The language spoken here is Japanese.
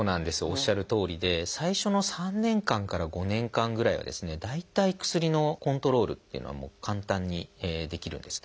おっしゃるとおりで最初の３年間から５年間ぐらいは大体薬のコントロールっていうのは簡単にできるんです。